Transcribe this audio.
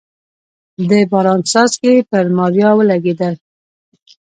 د باران څاڅکي پر ماريا ولګېدل.